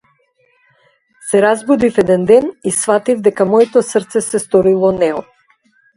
Се разбудив еден ден и сфатив дека моето срце се сторило неон.